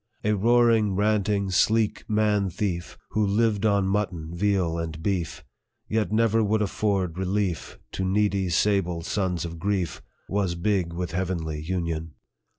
A roaring, ranting, sleek man thief, Who lived on mutton, veal, and beef, Yet never would afford relief To needy, sable sons of grief, Was big with heavenly union.